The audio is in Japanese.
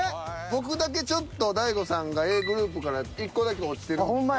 僕だけちょっと大悟さんがＡグループから１個だけ落ちてるんです。